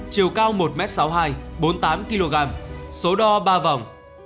chiều cao một m sáu mươi hai bốn mươi tám kg số đo ba vòng